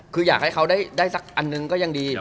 คืออยากให้เขาได้สักอันนึงก็ยังดี